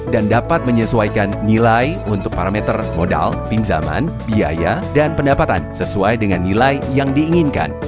dan dapat menyesuaikan nilai untuk parameter modal pinjaman biaya dan pendapatan sesuai dengan nilai yang diinginkan